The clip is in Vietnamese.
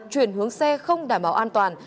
chuyển hướng xe không đảm bảo an toàn